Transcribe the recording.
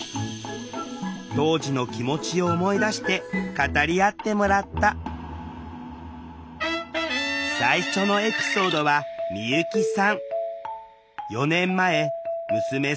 当時の気持ちを思い出して語り合ってもらった最初のエピソードは美由紀さん。